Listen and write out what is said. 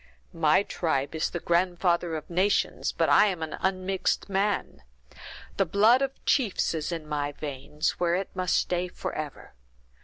"My tribe is the grandfather of nations, but I am an unmixed man. The blood of chiefs is in my veins, where it must stay forever.